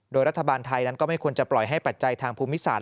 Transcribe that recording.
โดยรัฐบาลไทยนั้นก็ไม่ควรจะปล่อยให้ปัจจัยทางภูมิศาสต